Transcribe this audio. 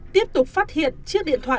tiếp tục phát hiện chiếc điện thoại